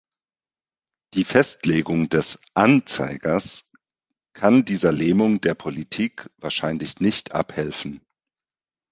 Die Festlegung des "Anzeigers" kann dieser Lähmung der Politik wahrscheinlich nicht abhelfen.